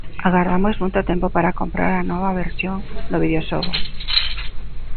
Agardamos moito tempo para comprar a nova versión do videoxogo.